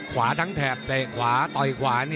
ขวาทั้งแถบเตะขวาต่อยขวา